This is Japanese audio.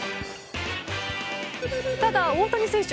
ただ、大谷選手